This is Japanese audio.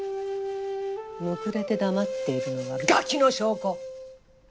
むくれて黙っているのはガキの証拠！